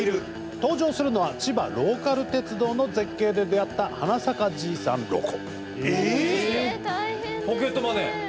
登場するのは千葉ローカル鉄道の絶景で出会った花咲かじいさんロコ。